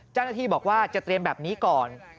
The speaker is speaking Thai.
เจ้าหน้าที่บอกว่าจะเตรียมแบบนี้ก่อน